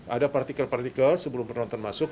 ada partikel partikel sebelum penonton masuk